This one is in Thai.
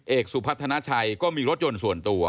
เอกสุพัฒนาชัยก็มีรถยนต์ส่วนตัว